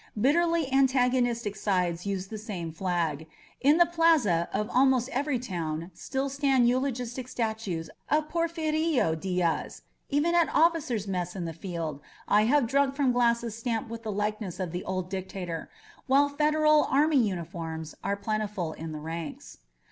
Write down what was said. Bitterly antagonistic sides use tbe same flag; in the plasa of almost every town still stand eulogistic statues of Porfirio Diaz; even at officers* mess in tbe field I bave drunk from glasses stamped witb tbe like ness of tbe old dictator, while Federal army uniforms are plentiful in tbe ranks.